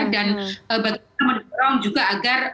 dan juga agar